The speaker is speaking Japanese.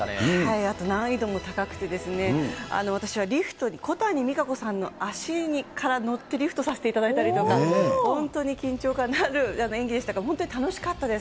あと難易度も高くて、私はリフト、小谷みかこさんの足から乗ってリフトさせていただいたりとか、本当に緊張感のある演技でしたが、本当に楽しかったです。